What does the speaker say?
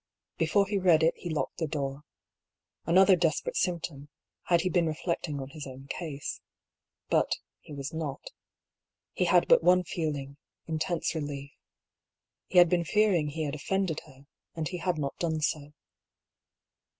Before he read it he locked the door. Another desperate symptom, had he been reflecting on his own case. But he was not. He had but one feeling, intense relief. He had been fearing he had offended her, and he had not done so.